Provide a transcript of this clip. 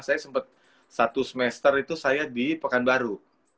saya sempat satu semester itu saya di pekanbaru